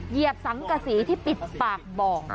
เหยียบสังกษีที่ปิดปากบ่อง